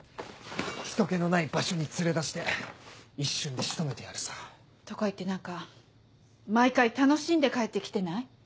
人けのない場所に連れ出して一瞬で仕留めてやるさ。とか言って何か毎回楽しんで帰って来てない？